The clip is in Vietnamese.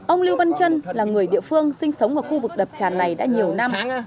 ông lưu văn trân là người địa phương sinh sống ở khu vực đập tràn này đã nhiều năm